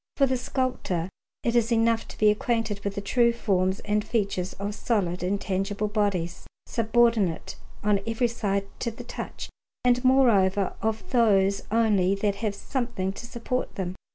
For the sculptor it is enough to be acquainted with the true forms and features of solid and tangible bodies, subordinate on every side to the touch, and moreover of those only that have something to support them.